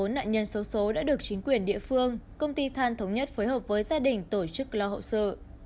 bốn nạn nhân xấu xố đã được chính quyền địa phương công ty than thống nhất phối hợp với gia đình tổ chức lo hậu sự